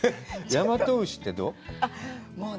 大和牛ってどう？